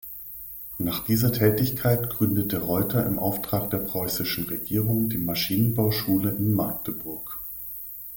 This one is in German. Nach dieser Tätigkeit gründete Reuter im Auftrag der preußischen Regierung die Maschinenbauschule in Magdeburg.